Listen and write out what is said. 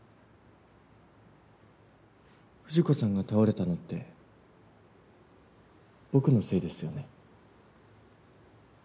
藤子さんが倒れたのって僕のせいですよね？